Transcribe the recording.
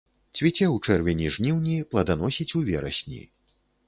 Цвіце ў чэрвені-жніўні, пладаносіць у верасні.